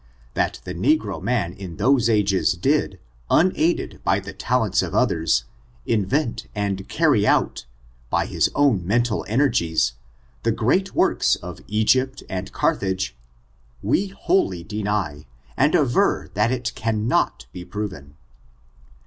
That the negro man in those ages did, unaided by the talents of others, invent and carry out, by his own mental energies, the great works of Egypt and Carthage, we wholly deny, and aver that it cannot be proven.